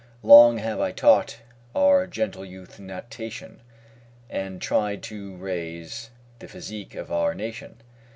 Long have I taught our gentle youth Natation, And tried to raise the physique of our nation.